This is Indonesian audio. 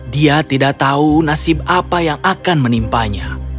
dia tidak tahu nasib apa yang akan menimpanya